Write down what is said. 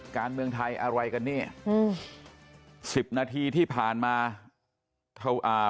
การเมืองไทยอะไรกันเนี่ยอืมสิบนาทีที่ผ่านมาอ่า